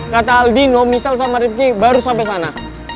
kata aldino misal sama rifki baru sampai sana